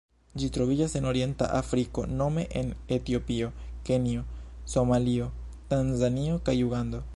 Ĝi troviĝas en Orienta Afriko nome en Etiopio, Kenjo, Somalio, Tanzanio kaj Ugando.